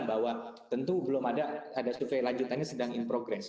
bahwa tentu belum ada survei lanjutannya sedang in progress